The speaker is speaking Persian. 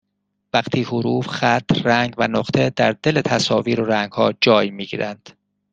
وقتی حروف خط رنگ و نقطه در دل تصاویر و رنگها جای می گیرند